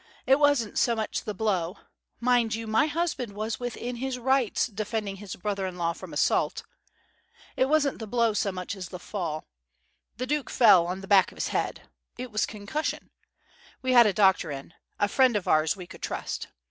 It wasn't so much the blow mind you, my husband was within his rights, defending his brother in law from assault! it wasn't the blow so much as the fall. The Duke fell on the back of his head. It was concussion. We had a doctor in a friend of ours we could trust.